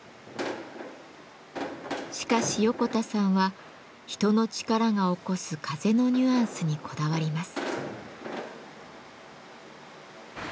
しかし横田さんは人の力が起こす風のニュアンスにこだわります。